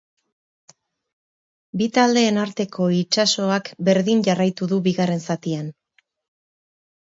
Bi taldeen arteko itsasoak berdin jarraitu du bigarren zatian.